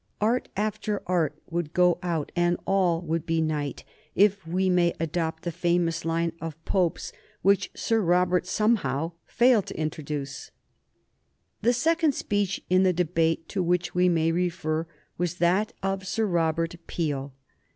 Art after art would go out and all would be night, if we may adopt the famous line of Pope's which Sir Robert somehow failed to introduce. [Sidenote: 1831 Peel's speech on the Reform Bill] The second speech in the debate to which we may refer was that of Sir Robert Peel.